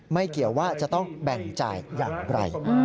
เกี่ยวว่าจะต้องแบ่งจ่ายอย่างไร